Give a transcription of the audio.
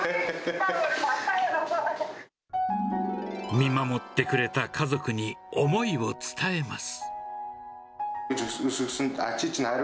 見守ってくれた家族に思いを伝えます。